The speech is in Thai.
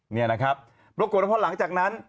นี่นะครับปรากฏว่าพอหลังจากนั้น